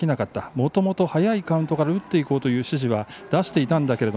もともと早いカウントから打っていこうという指示は出していたんだけど